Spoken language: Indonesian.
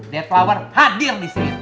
dead flower hadir disini lengkap